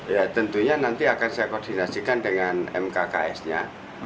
ya tentunya nanti akan saya koordinasikan dengan mkks nya